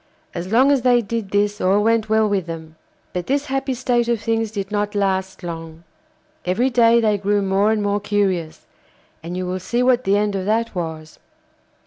As long as they did this all went well with them. But this happy state of things did not last long. Every day they grew more and more curious, and you will see what the end of that was.